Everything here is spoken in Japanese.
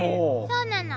そうなの。